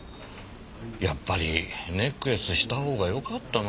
やっぱりネックレスしたほうがよかったなあ。